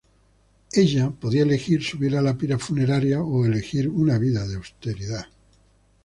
Ella podía elegir subir a la pira funeraria o elegir una vida de austeridad.